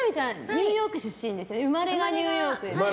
ニューヨーク出身生まれがニューヨークですよね。